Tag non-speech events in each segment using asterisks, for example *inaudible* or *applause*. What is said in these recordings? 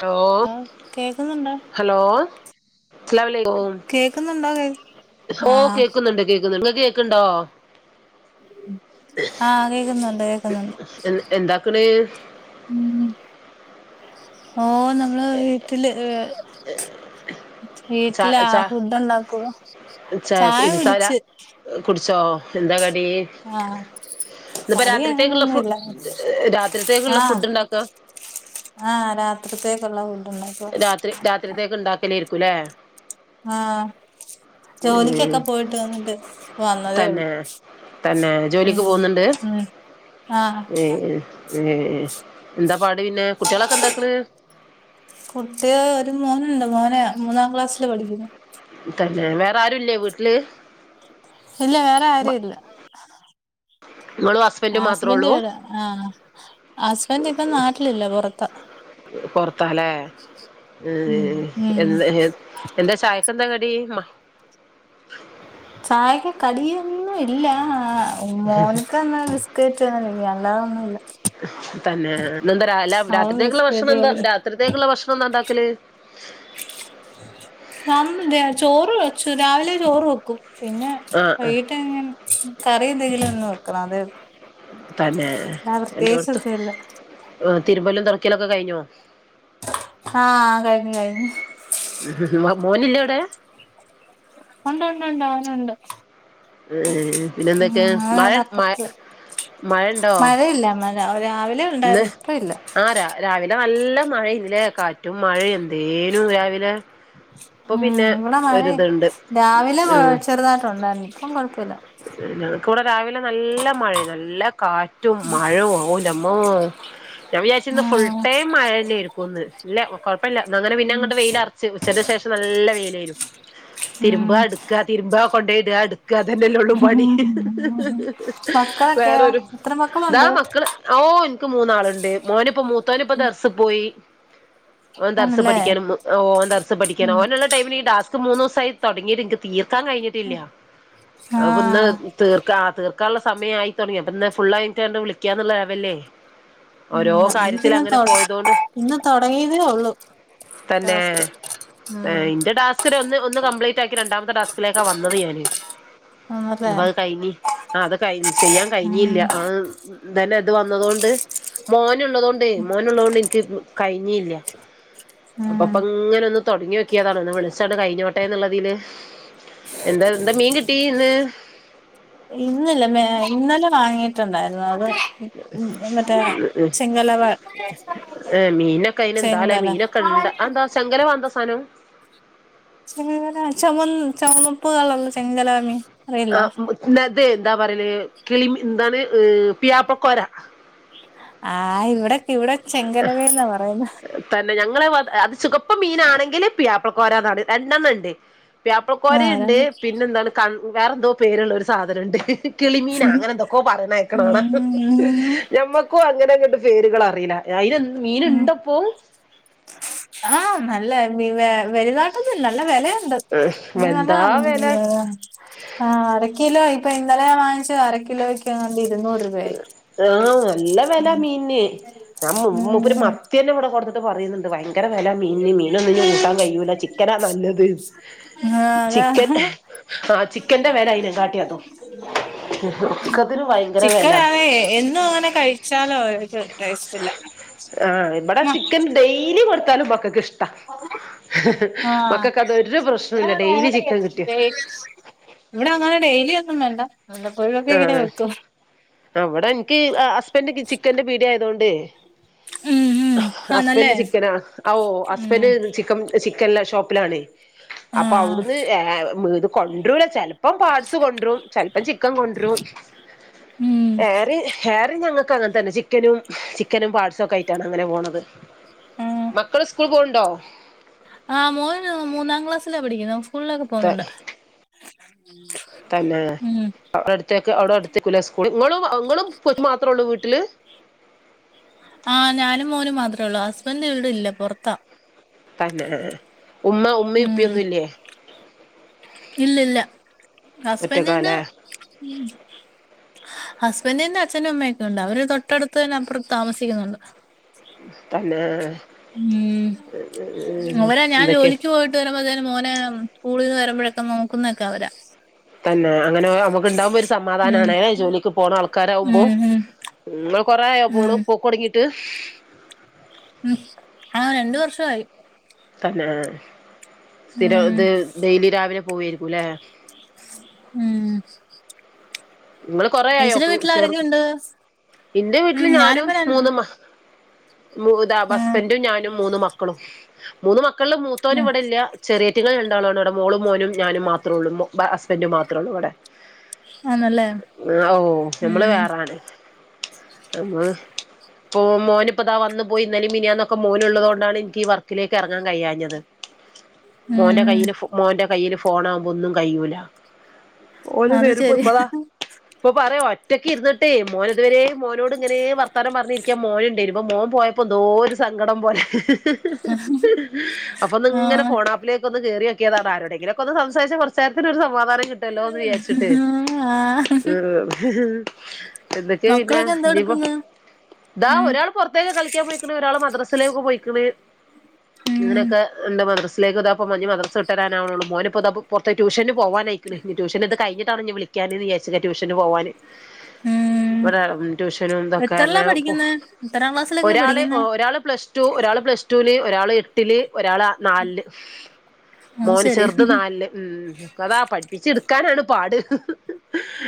Hello ആഹ് കേക്കുന്നുണ്ടോ hello സ്ലാലമലയ്ക്കും കേക്കുന്നുണ്ടോ കേ ഓ ആഹ് കേക്കുന്നുണ്ട് കേക്കുന്നുണ്ട് ങ്ങക്ക് കേക്ണ്ടോ ആഹ് കേക്കുന്നുണ്ട് എ എന്താക്ക്ണ് മ് ഓ നമ്മള് വീട്ടില് ച വീട്ട്ലാ ച അ'ഫുഡുണ്ടാകു ച ഇനി *unintelligible* കുടിച്ചോ എന്താ കടി ആഹ് ത്പ്പോ കടി രാത്രിത്തേക്കുള്ള ഫു അങ്ങനൊന്നുല്ല രാത്രിത്തേക്കുള്ള ഫുഡ്ണ്ടാക്ക ആ രാത്രിത്തേക്ള്ളാവു രാത്രി രാത്രിത്തേക്ക് ഉണ്ടാക്കലേരിക്കുംല്ലേ ആ ഉം ജോലിക്കൊക്കെ പോയിട്ട് വന്നിട്ട് വന്നതേള്ളു തന്നെ തന്നെ ജോലിക്ക് പോന്നുണ്ട് ആഹ് ഏ ഏ എന്ത പാട് പിന്നെ കുട്ട്യേളൊക്കെന്താക്ണ് കുട്ടി ഒരു മോനുണ്ട് മോന മൂന്നാം ക്ലാസ്സില് പഠിക്കുന്നു തന്നെ വേറാരുല്ലേ വീട്ട്ല് ഇല്ല വേറാരുല്ല നിങ്ങളും ഹസ് ഹസ്ബൻഡവടെ ആ ഹസ്ബന്റ്പ്പൊ നാട്ടിലില്ല പുറത്ത പൊറത്തല്ലേ എ ഉം ഉം എന്ന എന്ത ചായ *unintelligible* എന്താ കറി ചായക്ക് കടിയൊന്നും ഇല്ലാ മോൻക്കന്ന് കേയറ്റന്നില്ല അല്ലാതൊന്നുല്ല തന്നെ ന്നന്താ രാവ്‌ല അവൻ രാത്രിത്തേക്കുള്ള ബിസ്കറ്റ് ഭക്ഷണന്താ കഴിക്കും രാത്രിത്തേക്ക്ള്ള ഭക്ഷണന്താ ണ്ടാക്കല് *unintelligible* ചോറ് വെച്ചു രാവിലെ ചോറ് വെ ക്കും പിന്നെ ആഹ് ആഹ് വൈട്ടങ്ങെ കറി എന്തെങ്കിലും ഒന്ന് വെക്കണം അതേ തന്നെ അല്ലാതെ എല്ലോട്ത്ത് പ്രത്യേകിച്ചൊന്നുല്ല തിരുമ്പല്ലും തൊടക്കലൊക്കെ കഴിഞ്ഞോ ആഹ് കഴിഞ്ഞ് കഴിഞ്ഞ് മോനില്ല വിടെ ഉണ്ട് ഉണ്ട് ഉണ്ട് അവനുണ്ട് ഏഹ് ഉം പിന്നെന്താക്കെ മഴ അവനവിടെ മഴ അപ്പറത്ത് മഴണ്ടോ മഴയില്ല മഴ രാവിലെ ഇന്ന് ഉണ്ടായിരുന്നു ഇപ്പ ഇല്ല ആഹ് രാവിലെ നല്ല മഴ ലേ കാറ്റും മഴ എന്തേനും രാവിലെ ഇപ്പൊ ഉമ് പിന്നെ ഇവിടെ മഴ ഒരിതുണ്ട് രാവിലെ ഉം ചെറുതായിട്ട് ഉണ്ടായിരുന്നു ഇപ്പം കുഴപ്പല്ല ഞങ്ങക്കിവിടെ രാവിലെ നല്ല മഴയും നല്ല കാറ്റും മഴും ഔ ന്റെമ്മാ ഞാൻ വിചാരിച്ചിന്ന് ഫുൾ ടൈം മഴന്നെ ഏരിക്കുംന്ന് ല്ല കൊഴപ്പല്ല അങ്ങനെ പിന്നെ അങ്ങട്ട് വെയിലർന്ന് ഉച്ചന്റെ ശേഷം നല്ല വെയിലേനു തിരുമ്പ ഉം ഇട്ക്ക തിരുമ്പ കൊണ്ടോയിട ഇടക്കതന്നെ തല്ലേ ള്ളു പണി ഉം മക്കളൊക്കെയ വേറൊരു എത്ര താ മക്കളുണ്ട് മക്കൾ ഓഹ് എനിക്ക് മൂന്നാളുണ്ട് മോനിപ്പോ മൂത്തോനിപ്പോ ദർസ് പോയി ഓൻ ദർസിൽ ആണല്ലേ പഠിക്കാനം ഓൻ ദർസിൽ പഠിക്കണം ഉം ഓനെല്ലാം ടൈമില് ഈ ടാസ്ക് മൂന്നുസായി തൊടങ്ങീട്ട് ഇന്ക്ക് തീർക്കാൻ കഴിഞ്ഞിട്ടില്ല അത്പ്പൊ ഇന്ന് ആഹ് തീർക്കാ ആഹ് തീർക്കാനുള്ള സമയ ആയി തൊടങ്ങി അപ്പംന്നാ ഫുൾ ആയിട്ട് ആണ്ട് വിളിക്കന്ന്ള്ള ലെവല് ഉം എനിക്കിന്ന് പോയതോണ്ട് ഇന്ന് തൊടങ്ങിയതേ ഒള്ളു തന്നെ ഇന്റെ ടാസ്ക് ഒന്ന് ഒന്ന് കംപ്ലീറ്റ് ആക്കി രണ്ടാമത്തെ ടാസ്ക് ത്തിലേക്ക വന്നത് ഞാന് ആണല്ലേ അപ്പൊ അത് കഴിഞ്ഞ് ആഹ് അത് കഴി ചെയ്യാൻ ഉം കഴിഞ്ഞില്ല അഹ് തന്നെ ഇത് വന്നതൊണ്ട് മോനുള്ളത് കൊണ്ടേ മോനുള്ളത് കൊണ്ട് ഇന്ക്ക് കഴിഞ്ഞില്ല അപ്പ ഉം പ്പ ഇങ്ങനൊന്ന് തൊടങ്ങിയൊ ക്കിയതാണ് ഇന്ന് വിളിച്ചാണ്ട് കഴിഞ്ഞോട്ടേ ന്നുള്ളതിൽ എന്താ എന്താ മീൻ കിട്ടി ഇന്ന് ഇന്നില്ല ഇന്നലെ വാങ്ങിയിട്ടുണ്ടായിരുന്നു അത് ഉം ഉം ന്നട്ട് ചെങ്ലവ ഏഹ് മീനൊക്കെ അയിന് എന്താലെ മീനൊക്കെ ണ്ട അതെന്താ ചെങ്കലവ അതെന്താ സാധനം ചെങ്കലവാ ചുമന്ന ചുമപ്പ് കളറിലെ ചെങ്കലവ മീൻ അറിയില്ല ആഹ് നത് എന്താ പറയല് കിളിമീ എന്താണ് പുയ്യാപ്ലകോര ആഹ് ഇവിടെക്കെ ഇവിടെ ചെങ്കലവേന്നാ പറയുന്നെ ആഹ് തന്നെ ഞങ്ങള പാത് അത് ചുകപ്പ് മീനാണെങ്കില് പുയ്യാപ്ലക്കോരന്നാണ് രണ്ടെണ്ണം ഉണ്ട് ആ പുയ്യാപ്ലക്കോര ഇണ്ട് പിന്നെ എന്താണ് കൺ വേറെന്തോ പേരുള്ള ഒരു സാധനംണ്ട് കിളി മീനൊ അങ്ങനെന്തൊക്കൊ പറിണ കേക്കണ കാണാ അമ്മക്കും അങ്ങനെങ്ങട്ട് പേര്കളറീല അയിന് മീൻ ഇണ്ടപ്പോ ആഹ് നല്ല വി വെ വലുതായിട്ടൊന്നുല്ല നല്ല വെലയുണ്ട് എന്താ വില *unintelligible* ആഹ് അര കിലോ ഇപ്പൊ ഇന്നലെയാ വാങ്ങിച്ചത് അര കിലോ ക്യട്ഇരുന്നൊ ആഹ് നല്ല വെല മീനിന് ഞാൻ മു മൂപ്പര് മ ഉം കുട്ടി തന്നെ ഇവിടെ കൊടന്നിട്ട് പറയണ്ണ്ട് ഭയങ്കര വെലയ മീനിന് മീനൊന്നും ഇനി കൂട്ടാൻ കഴിയൂല ചിക്കനാ നല്ലത് ആ അതാ ചിക്കൻ ആഹ് ചിക്കന്റെ വെല അയിനെ കാട്ടിയ ട്ടൊ ഒക്കത്തിനും ഭയ ചിക്കൻ ആണേ എന്നും അങ്ങനെ കഴിച്ചാലോ ഒരു ടേസ്റ്റില്ല ആഹ് ഇബടെ ചിക്കൻ ഡെയ്‌ലി കൊടുത്താലും മക്കൾക്കിഷ്ടാ ആഹ് മക്കക്ക് അതൊരു ഇവിടെ പ്രശ്നുമല്ല ഡെയിലി ചിക്കൻ കിട്ടിയ അങ്ങനെ ഇവിടെ അങ്ങനെ ഡെയിലി ഒന്നും വേണ്ട വല്ലപ്പോഴൊക്കെ ഇങ്ങനെ വെക്കും ഇവിടെ ഇനക്ക് ആഹ് ഹസ്ബൻഡ് ചിക്കന്റെ പീടിയ ആയതോണ്ട് ഉം ഉം ആന്നല്ലേ ഹസ്ബൻഡ് ചിക്കന ആഹ് ഓ ഉം ഹസ്ബൻഡ് ചിക്കൻ ചിക്കൻള്ള ഷോപ്പിലാണ് അപ്പൊ ആഹ് അവിടുന്ന്ഏയ ഇത് കൊണ്ട്രൂല ചെല ഇപ്പം പാട്സ് കൊണ്ടുരും ചെലപ്പം ചിക്കൻ കൊണ്ടുരും ഉം ഏറി ഏറിം ഞങ്ങക്ക് ഇപ്പം അങ്ങനെ തന്നെ ചിക്കനും ചിക്കനും പാട്സും ഒക്കെ ആയിട്ടാണ് അങ്ങനെ പോണത് ആഹ് മക്കള് സ്കൂൾ പോണ്ടോ ആഹ് മോന് മൂന്നാം ക്ലാസ്സില പഠിക്കുന്നെ സ്കൂളിലൊക്കെ ത പോണ്ണ്ട് തന്നെ ഉം അടുത്തേക്കാ അവിടെ അടുത്തെകുലെ സ്കൂള് ഇങ്ങളും ഇങ്ങളും കുട്ടിയും മാത്രേ ഉള്ളൂ വീട്ടില്. ആഹ് ഞാനും മോനും മാത്രേ ഒള്ളൂ ഹസ്ബൻഡ് ഇവിടില്ല പൊറത്താ തന്നെ ഉമ്മ ഉമ്മ ഉപ്പിയൊന്നുംല്ലേ ഇല്ല ഇല്ല ഹസ്ബൻഡിന് ഒറ്റക്കാലേ ഹസ്ബന്റിന്റെ അച്ഛനും അമ്മയൊക്കെ ഉണ്ട് അവര് തൊട്ടടുത്ത് തന്നെ അപ്പുറത്ത് താമസിക്കുന്നുണ്ട് തന്നെ ഉം ഉം അവരാ ഞാൻ എന്തൊക്കെ ജോലിക്കു പോയി സ്കൂളു വിട്ട് വരുമ്പോഴത്തെന് മോനെ സ്കൂളിൽന്ന് വരുമ്പോഴൊക്കെ നോക്കുന്നൊക്കെ അവരാ തന്നെ അങ്ങനെ അമുക്ക് ഇണ്ടാകുമ്പോ ഒരു ഉം സമാധാനാണ് ജോലിക്ക് പോണ ഉം ആൾക്കാരാവുമ്പോ ഉം ഉമ് നിങ്ങൾ കൊറേ ആയോ പ്പൊ ഓള് ഉം പോക്കൊടങ്ങീട്ട് ഉമ് ആഹ് രണ്ട് വർഷായി തന്നെ സ്ഥിരം ഉം ഇത് ഡെയിലി രാവിലെ പോവായിരിക്കും ല്ലേ ഉമ് ഇങ്ങള് കൊറേ ആയോ ചേച്ചിടെ ചേർ വീട്ടിലാരൊക്കെയുണ്ട് ഉമ് ഞാനിപ്പൊ ര മു താ ആഹ് ഹസ്ബന്റും ഞാനും മൂന്ന് മക്കളും മൂന്ന് മക്കളില് മൂത്തോന് ആഹ് ഇവിടെല്ല ചെറിയേറ്റങ്ങൾ രണ്ടാളാണ് അവിടെ മോളും മോനും ഞാനും മാത്രൊള്ളൂ ബ ഹസ്ബന്റും മാത്രേള്ളൂ ഇവടെ ആന്നല്ലേ ആഹ് ഔ ഞമ്മള് ഉം വേറാണ് നമ്മള് ഓഹ് മോന്പ്പതാ വന്ന് പോയി ഇന്നലും മിനിയാന്നൊക്കെ മോന്ള്ളത് കൊണ്ടാണ് ഇൻക്ക് ഈ വർക്കിലേക്ക് എറങ്ങാൻ കഴിയാഞ്ഞത് മോന്റെ ഉം കയ്യില് മോന്റെ കയ്യില് ഫോണാകുമ്പോ ഒന്നും കയ്യൂല ഓല് അത് വരുമ്പൊ ശരി പ്പ താ ഇപ്പൊ പറ ഒറ്റക്കിര്ന്നിട്ടേ മോന് ഇതുവരേ മോനോട് ഇങ്ങനെ വർത്താനം പറഞ്ഞിരിക്കാൻ മോന്ണ്ടായിന് ഇപ്പൊ മോൻ പോയ ഇപ്പെന്തോ ഒരു സങ്കടം പോലെ അപ്പൊന്ന് ഇങ്ങനെ ആഹ് ഫോണാപ്പല് അപ്പൊന്ന് കേറിയോക്കിയതാണ് ആരോടെങ്കിലൊക്കെന്ന് സംസാരിച്ച കൊറച്ചേരത്തിനൊരു ഒരു സമാധാനം കിട്ടോല്ലോന്ന് വിചാരിച്ചിട്ട് ആഹ് ഉമ് എന്തൊക്കെ പിന്നെ മക്കളൊക്കെ എന്തോ ഇഞ്ഞിപ്പൊ എടുക്കുന്ന് ഇതാ ഉം ഒരാൾ പുറത്തേക്ക് കളിക്കാൻ പോയിക്ക്ണ് ഒരാള് മദ്രസിലേക്ക് പോയിക്ക്ണ് ഉമ് എന്താ മദ്രസിലേക്കിതാപ്പം ഞ്ഞി മദ്രസ് വിട്ട് വരാനാവുണൊള്ളൂ മോന്പ്പോ ഇത പൊറത്ത് ട്യൂഷന് പോവാനായിക്ക്ണ്. ഇഞ്ഞി ട്യൂഷന് ഇത് കയിഞ്ഞിട്ടാണ് ഇഞ്ഞി വിളിക്കാന്ന്ന് വിയാരിച്ചതാ ട്യഷന് പോവാന് ഉം ഇവടെ ഒരാള് ഉമ് ട്യൂഷനും ഇതൊക്കെ എത്രല്ലാ അങ്ങനെ പോ പഠിക്കുന്നെ എത്രാം ക്ലാസ്സിലൊക്കെയാ ഒരാള് പഠിക്കുന്നെ ഒരാള് പ്ലസ് ടു ഒരാള് പ്ലസ് ടുല് ഒരാള് എട്ടില് ഒരാള് നാൽല് അത് മോന് ശരി ചെറുത് നാൽല് ഉമ് അതാ പഠിപ്പിച്ചെടുക്കാനാണ് പാട്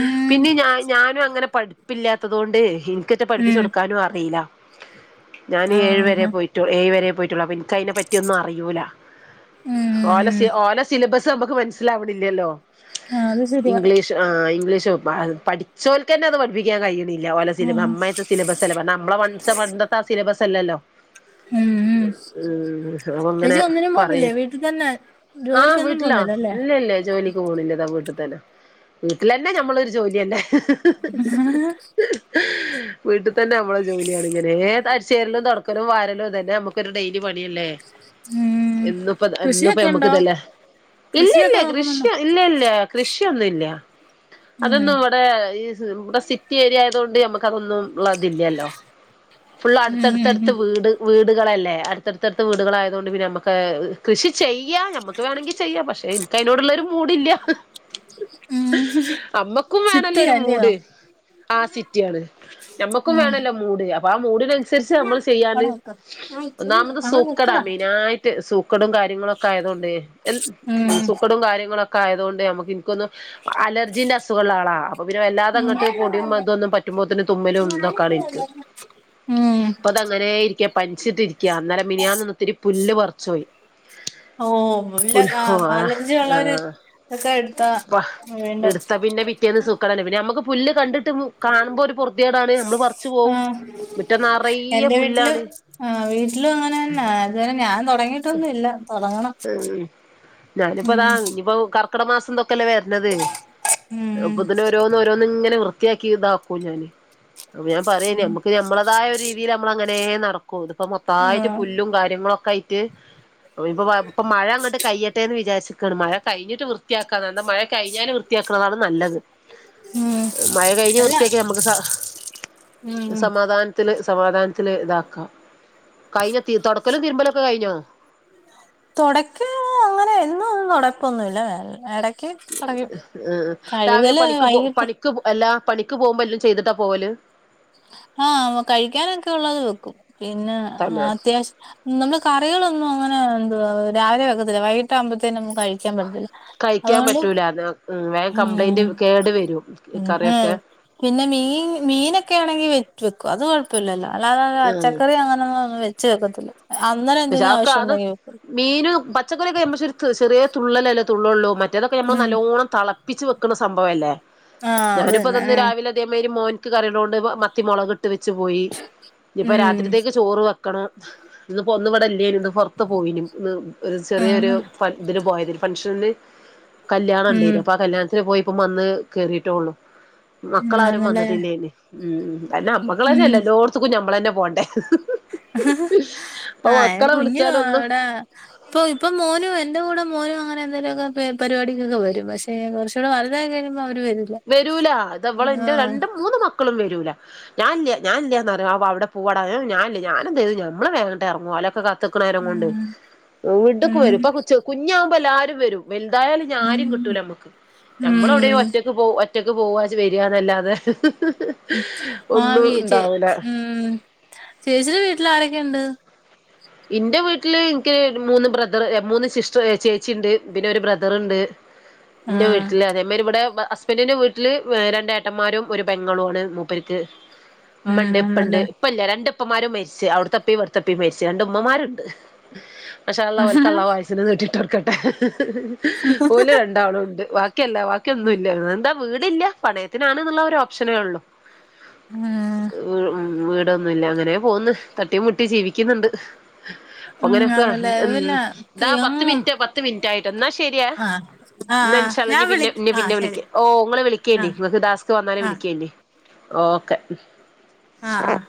ഉം പിന്നെ ഞാ ഞാനും അങ്ങനെ പഠി ഠിപ്പില്ലാത്ത തോണ്ട് ഇനിക്കേറ്റ് പഠിപ്പിച്ചു ഉം കൊടുക്കാനും അറീല. ഞാൻ ഏഴു വരെ ആഹ് പോയി റ്റു ഏയ് വരെ പോയിട്ടുള്ളൂ അപ്പൊ ഇൻക്കതിനെ പറ്റി ഒന്നും അറിയൂല ഓലെ ഉം ഓലെ സിലബസ് സ് ഇത് നമ്മക്ക് മനസ്സിലാവ്ണില്ല ല്ലോ ആഹ് അത് ശരിയ ആഹ് ഇംഗ്ലീഷോ ഭയ പഠിച്ചോൽക്കന്നെ അത് ക്കാൻ കഴിയണില്ല ഓല സില പഠിപ്പിക്കാൻ കയിയുന്നില്ല ഓലെ ഉം സിലബസ് അമ്മായിര്ത്തെ സിലബസല്ലേ. പണ്ട് അമ്മള് *unintelligible* പണ്ടത്തെ ആ സിലബസല്ലല്ലോ ഉമ് ഉമ് ഉമ് അപ്പങ്ങനെ പറയും വീട്ടിൽ തന്നെ ആഹ് ജോലിക്കൊന്നും വീട്ടിലാ പോന്നില്ലല്ലേ ഇല്ലല്ല ജോലി പോണില്ല താ വീട്ട് തന്നെ വീട്ടിലന്നെ ഞമ്മളൊരു ജോലിയല്ലേ *inaudible* വീട്ട്ത്തന്നെ അമ്മളെ ജോലിയാണ് ഇങ്ങനേ അരിച്ചേരലും തൊടക്കലും വാരലും ഇതന്നെ അമക്ക് ഇതൊരു ഡൈലി പണിയല്ലേ ഉം എന്നുപ്പൊത് എന്നുപ്പൊ കൃഷിയൊക്കെ യമ്മക്ക് ഉണ്ടോ ഇതല്ലെ ഇല്ല ഇല്ല കൃഷിയൊക്കെ നോക്കുന്നുണ്ടോ കൃഷി ഇല്ല ഇല്ല കൃഷിയൊന്നുല്ല ഉം അതൊന്നും ഇവടെ ഈ ഇവിടെ സിറ്റി ഏരിയയായതോണ്ട് യമ്മക്ക് അതൊന്നും ഉള്ള ഇതില്ലല്ലോ ഫുൾ ഉം ഉം അടുത്തടുത്തടുത്ത് വീട് വീട്കളല്ലേ അടുത്തടുത്തടുത്ത് വീട്കളായതുകൊണ്ട് പിന്നെ യമ്മക്ക് കൃഷി ചെയ്യാം ഞമ്മക്ക് വേണെങ്കി ചെയ്യാം പക്ഷേ ഇൻകയ്നോടുള്ളൊരു മൂഡില്ല *inaudible* അമ്മക്കും വേണല്ലോ സിറ്റിയാ ഒരു അല്ലയോ മൂഡ് ആഹ് സിറ്റിയാണ് ഞമ്മക്കും ഉം വേണല്ലോ മൂഡ് അപ്പൊ ആ മൂഡിനനുസരിച്ച് നമ്മൾ ചെയ്യാന് അവിടെ വെക്ക് ഒന്നാമത് അവിടെ സൂക്കെടാ വെക്കടാ മൈനായിട്ട് റ്റ് സൂക്കെടും കാര്യങ്ങളൊക്കെ ആയതോണ്ട് എന്ത് ഉം സുക്കടും കാര്യങ്ങളൊ ഒക്കെ ആയതോണ്ട് ഞമ്മക്ക് ഇൻക്കൊന്നും അലർജിന്റെ അസുഖള്ള ആളാ അപ്പൊ പിന്നെ വല്ലാതങ്ങട്ട് പൊടിയും മതൊന്നും പറ്റുമ്പോത്തിന് തുമ്മലും ഇതൊക്കാണെൻക്ക് ഉം ഉം ഇപ്പൊ അത അങ്ങനെ ഇരിക്ക പനിച്ചിട്ടിരിക്ക അന്നേരം മിനിയാൻ നിന്നത്തിരി പുല്ല് പറച്ചുപോയി ഓ ഇല്ല ആഹ് പാലർചി ഉള്ളര് ആഹ് ഇതൊക്കെ എടുത്താ പ്പ വീണ്ടും എടുത്ത പിന്നെ പിറ്റേന്ന് സൂക്ക പിന്നെ നമുക്ക് പുല്ല് കണ്ടി കാണുമ്പോ ഒരു പറതിേടാണ് നമ്മള് പറച്ചു പോകവും ആഹ് മുറ്റം നിറയെ എന്റെ വീട്ടില് പുല്ലാണ് ആഹ് വീട്ടിലും അങ്ങനെ തന്നെ അതുവ ഞാൻ തുടങ്ങിട്ടൊന്നും ഇല്ല തുടങ്ങണം ഉം ഉം ഞാനിപ്പോതാ ഇപ്പൊ കർക്കിട മാസംന്തൊക്കെല്ല വേ ത് ഉം ഇപ്പതിന്നെ ഓരോന്ന് ഓരോന്ന് ഇങ്ങനെ വൃത്തിയാക്കി ഇതാക്കൂ ഞാന് അപ്പൊ ഞാൻ പറയേ നമമ്മക്ക് നമ്മളതായ ഒരു രീതിയിൽ നമ്മള അങ്ങനെ നടക്കും ഇതിപ്പോ മൊത്തമായിട്ട് ആഹ് പുല്ലും കാര്യങ്ങളൊക്കെ ആയിട്ട് പ്പൊ ഇപ്പ മഴ അങ്ങോട്ട് കയ്യട്ടെ എന്ന് വിചാരിക്കയാണ് മഴ കഴിഞ്ഞിട്ട് വൃത്തിയാക്ക എന്ത മഴ കഴിഞ്ഞാല് വൃത്തിയാക്കുന്നതാണ് നല്ലത് ഉം മഴ കഴിഞ്ഞ് അല്ല വൃത്തിയാക്ക്യ നമുക്ക് സ ഉം സമാധാനം ത്തി സമാധാനത്തില് ഇതാക്കാം കഴിഞ്ഞ തുടക്കലും തിരുമ്പലൊക്കെ കഴിഞ്ഞോ തുടക്ക അങ്ങനെ എന്നും ഒന്നും തുടപ്പൊന്നല്ലട തുടങ്ങി കഴുകല് വൈകിട്ട് അല്ലാ പണിക്ക് പോകുമ്പോ എല്ലാം ചെയ്തിട്ടാ പോവല് ആഹ് കഴിക്കാനൊക്കെ ഉള്ളത് വെക്കും പിന്നെ തന്നെ അത്യാവശ്യം നമ്മള് കറികളൊന്നും അങ്ങനെ എന്ത രാവിലെ വെക്കത്തില്ല വൈകീട്ട് ആകുമ്പഴത്തേും നമു കഴിക്കും കഴിക്കാൻ പറ്റൂല അത് വേഗ കംപ്ലൈന്റ് ഉം കേടു വരും ഉം കറിയൊക്കെ പിന്നെ മീൻ മീനൊക്കെ ആണെങ്കിൽ വെറ്റ് വെക്കും അത് കൊഴ പല്ലല്ലോ അല്ലാതെ ആഹ് പച്ചക്കറി അങ്ങനൊന്നുംന്നും വച്ച് വെക്കത്തില്ല അന്നേരം എന്തെങ്കിലും ആവശ്യംണ്ടെങ്കിൽ വെക്കും മീൻ പച്ചക്കറിയൊക്കെ ന പക്ഷെ ഒരു ചെറിയ തുള്ളല്ലോ തുള്ളൊള്ളൂ മറ്റേതൊക്കെ നമ്മൾ ഉം നല്ലോണം തളപ്പ് പ്പിച്ചച്ച് വെക്കുന്ന സംഭവം അല്ലേ ആഹ് അത് ഞാനിപ്പ തന്നെ തന്ന് ആഹ് രാവിലെ തേ ഒരു മോൻക്ക് കറികളോണ്ട് മത്തി മുളക് ഇട്ട് വെച്ച് പോയി ഇനിയിപ്പോ ഉം രാത്രിത്തേക്ക് ചോറ് വെ ഇന്ന് പൊന്ന ഇവിടെ ഇല്ലേ ഇന്ന് പുറത്ത് പോയിനും ഇന്ന് ഒരു ചെറിയൊരു ആഹ് ഇതിന് പോയതി ഫംഗഷന്ന് കല്യാണം ഉം ഉണ്ടല്ല അപ്പൊ ആ കല്യാണത്തിന് പോയി ഇപ്പ വന്ന് കേറിയിട്ടേള്ളു ഉം മക്കളാരും ആന്നല്ലേ വന്നിട്ടില്ലേന് ഉ കന്നെ അമ്മക്കൾ തന്നെയ അല്ല ഉം എല്ലോടത്തു കുഞ്ഞ നമ്മള തന്നെ പോകണ്ടേ ആഹ് കുഞ്ഞു വിളിച്ചാലൊന്നും എവിട ഇപ്പൊ ഇപ്പൊ മോനു എന്റെ കൂടെ മോനും അങ്ങനെ എന്തെങ്കലുമൊക്കെ പരിപാടിക്കൊക്കെ വരും പക്ഷെ കുറച്ചൂടെ വലുതാ കഴിഞ അവർ വരും വരൂല അത് അവള് ൻ്റെ രണ്ട് മൂന്ന് മക്കളും വരൂല ഞാനല്ല ഞാനല്ല അപ്പ അവിടെ പൂവാട ഞാനല്ല ഞാന എന്ത ചെയ്തു നമ്മള് വങ്ങട്ട ഇറങ്ങും അലൊക്കെ ക്കരം ഉം കൊണ്ട്വിടുക്കും വരും ഇപ്പ കുഞ്ഞാവുമ്പോ എല്ല ആരും വരും എന്തായാലും ഞ ആരും കിട്ടൂല ഉം ഞമ്മക്ക് നമ്മുക്ക് നമ്മളെവിടെയും ഉം ഒറ്റ ഒറ്റക്ക് പോവാ വരിന്നല്ലാതെ ആഹ് ചേ ഉം ചേച്ചിടെ വീട്ടിൽ ആരൊക്കെയുണ്ട് ഇന്റെ വീട്ടില് എനിക്ക് മൂന്ന് ബ്രദർ മൂന്ന് സിസ്റ്റർ ചേച്ചിണ്ട് പിന്നെ ഒരു ബ്രദറണ്ട് എന്റെ ആഹ് വീട്ടില് അതേമാേരി ഇവിടെ പിന്നെന്റെ വീട്ടില് രണ്ടേട്ടന്മാരും ഒരു പെങ്ങളളു ആണ് മൂപ്പർക്ക് ഉം മ്മണ്ട് ഇപ്പണ്ട് ആന്നല്ലേ പ്പ ഇല്ല രണ്ടപ്പമാരും മരിച്ചു അവിടുത്തപ്പയും ഇവിടുത്തപ്പിയും മരിച്ചു രണ്ട് ഉമ്മമാരുണ്ട് മാഷാ അല്ലാ ഓലക്ക് അല്ലാഹ് ആയുസ്സിനെ നീട്ടിട്ടോട്കട്ടെ പോലെ രണ്ടാള ഉണ്ട് ബാക്കി ല്ലാ ബാക്കിയ ഉം ഒന്നുല്ല എന്താ വീടില്ല പണയത്തിനാണ്ന്നുള്ള ഒരു ഓപ്ഷനേ ഉള്ളു ഉം വീടൊന്നുംല്ല അങ്ങനെ പോന്ന് തട്ടി മുട്ടി ജീവിക്ക കിക്കുന്നുണ്ട് ഉം അങ്ങനെയൊക്കെ ആന്നല്ലേ ഉം ഇല്ല ദ പത്ത് മിനിറ്റ് പത്ത് മിനിറ്റ് ആയിട്ട് ന്നാ ശരിയെ ആഹ് ആഹ് ന്നാ ആഹ് ഇന്ഷാ ഞാൻ അല്ലാഹ് വിളി ആഹ് പിന്നെ ശരി വിളിക്ക ഓഹ് ങ്ങള് വിളിക്കേണ്ടി ആഹ് നിങ്ങക്ക് ടാസ്ക് വന്നാലെ ആഹ് വിളിക്കേണ്ടി ഓക്കെ ആഹ് ആഹ്